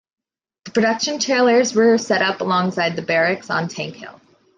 The production trailers were set up alongside the barracks on "Tank Hill".